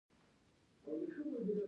پاچا تل د خپلې سلامتيا په فکر کې وي .